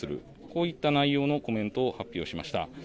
こういった内容のコメントを発表しました。